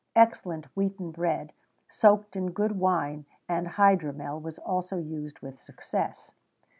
Excellent wheaten bread, soaked in good wine and hydromel, was also used with success.